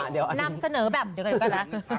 นำเสนอแบบเดี๋ยวก่อนละ